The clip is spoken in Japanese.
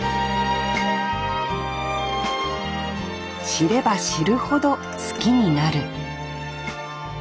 知れば知るほど好きになる。